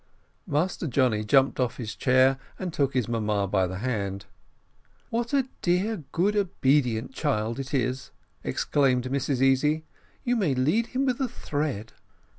Master Johnny jumped off his chair, and took his mamma by the hand. "What a dear, good, obedient child it is!" exclaimed Mrs Easy: "you may lead him with a thread."